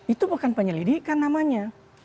itu bukan penyelidikan namanya